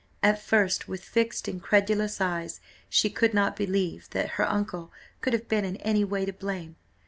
At first, with fixed incredulous eyes, she could not believe that her uncle could have been in any way to blame.